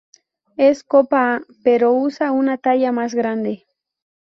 Es copa A pero usa una talla más grande.